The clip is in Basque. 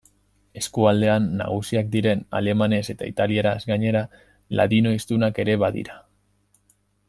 Eskualdean nagusiak diren alemanez eta italieraz gainera, ladino-hiztunak ere badira.